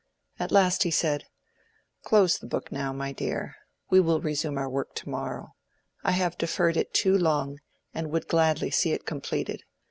At last he said— "Close the book now, my dear. We will resume our work to morrow. I have deferred it too long, and would gladly see it completed.